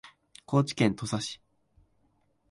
高知県土佐市